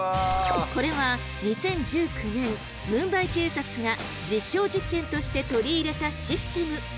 これは２０１９年ムンバイ警察が実証実験として取り入れたシステム。